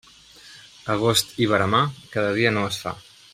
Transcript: Agost i veremar, cada dia no es fa.